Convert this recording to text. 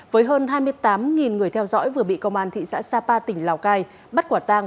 với hơn hai mươi tám người theo dõi vừa bị công an thị xã sapa tỉnh lào cai bắt quả tang